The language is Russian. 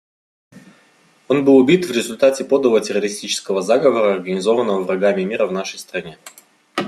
Он был убит в результате подлого террористического заговора, организованного врагами мира в нашей стране.